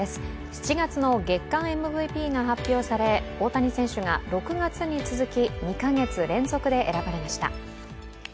７月の月間ＭＶＰが発表され、大谷選手が６月に続き、２か月連続で選ばれました。